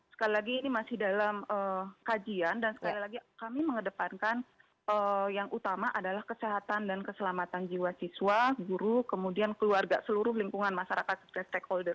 sekali lagi ini masih dalam kajian dan sekali lagi kami mengedepankan yang utama adalah kesehatan dan keselamatan jiwa siswa guru kemudian keluarga seluruh lingkungan masyarakat sebagai stakeholder